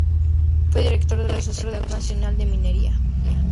Fue director de la Sociedad Nacional de Minería.